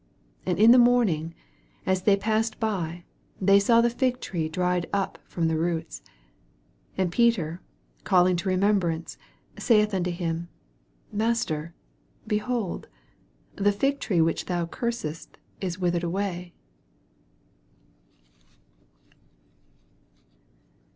20 And in the morning, as they passed by, they saw the fig tree dried up from the roots. 21 And Peter calling to remem brance, saith unto him, Master, be hold, the fig tree which thou cursedst is withered away.